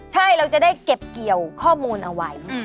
ใช่เราจะได้เก็บเกี่ยวข้อมูลเอาไว้